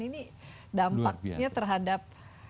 ini dampaknya terhadap